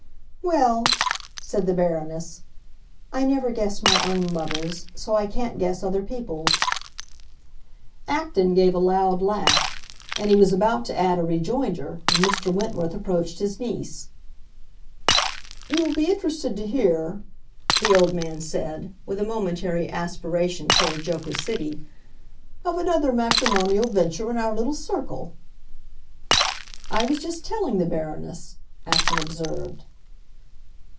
"Well," said the Baroness, "I never guess my own lovers; so I can't guess other people's." Acton gave a loud laugh, and he was about to add a rejoinder when Mr. Wentworth approached his niece. "You will be interested to hear," the old man said, with a momentary aspiration toward jocosity, "of another matrimonial venture in our little circle." "I was just telling the Baroness," Acton observed.